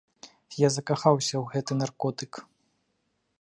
Я закахаўся ў гэты наркотык.